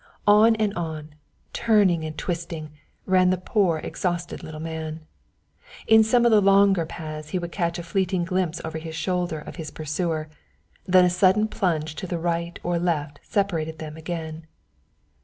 On and on, turning and twisting, ran the poor exhausted little man. In some of the longer paths he would catch a fleeting glimpse over his shoulder of his pursuer, then a sudden plunge to the right or left separated them again.